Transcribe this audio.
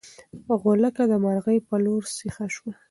غولکه د مرغۍ په لور سیخه شوه.